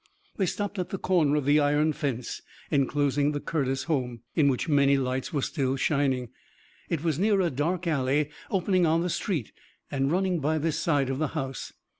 They stopped at the corner of the iron fence enclosing the Curtis home, in which many lights were still shining. It was near a dark alley opening on the street and running by this side of the house.